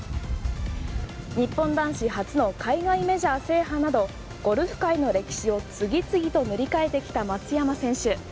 日本男子初の海外メジャー制覇などゴルフ界の歴史を次々と塗り替えてきた松山選手。